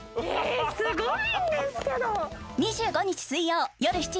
すごいんですけど。